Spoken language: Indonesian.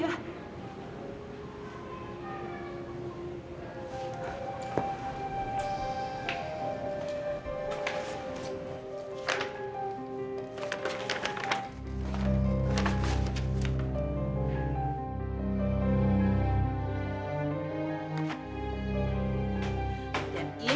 aku memang kesepian